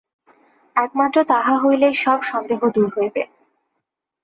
একমাত্র তাহা হইলেই সব সন্দেহ দূর হইবে।